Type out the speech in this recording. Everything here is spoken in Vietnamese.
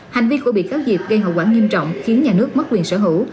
hành vi của bị cáo diệp gây hậu quả nghiêm trọng khiến nhà nước mất quyền sở hữu